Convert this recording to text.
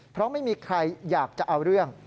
เพราะไม่มีใครอยากจะเอาเรื่อง